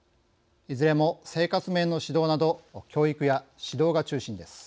いずれも生活面の指導など教育や指導が中心です。